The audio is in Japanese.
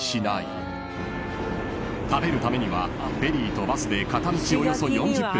［食べるためにはフェリーとバスで片道およそ４０分］